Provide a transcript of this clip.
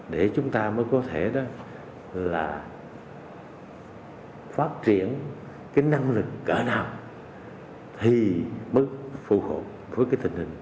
để chúng ta mới có thể là phát triển cái năng lực cỡ nào thì mức phù hợp với cái tình hình